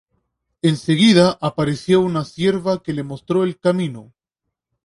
En seguida, apareció una cierva que le mostró el camino.